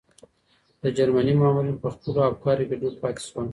د جرمني مامورین په خپلو افکارو کې ډوب پاتې شول.